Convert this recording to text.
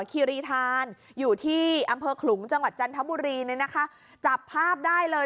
คีรีธานอยู่ที่อำเภอขลุงจังหวัดจันทบุรีเนี่ยนะคะจับภาพได้เลย